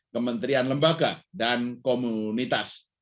kementerian lembaga dan komunitas